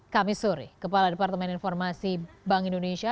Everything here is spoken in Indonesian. kami sore kepala departemen informasi bank indonesia